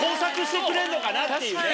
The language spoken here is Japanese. っていうね。